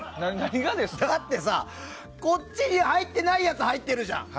だって、こっちに入ってないやつ入ってるじゃん。